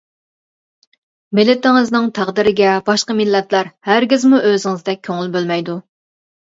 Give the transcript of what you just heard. مىللىتىڭىزنىڭ تەقدىرىگە باشقا مىللەتلەر ھەرگىزمۇ ئۆزىڭىزدەك كۆڭۈل بۆلمەيدۇ.